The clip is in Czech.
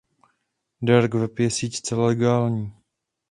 Dark web je síť zcela legální.